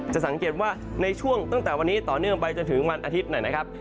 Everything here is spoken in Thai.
สังเกตว่าในช่วงตั้งแต่วันนี้ต่อเนื่องไปจนถึงวันอาทิตย์หน่อยนะครับ